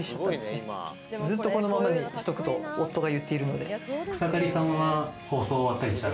ずっとこのままにしとくと、夫が言っているので。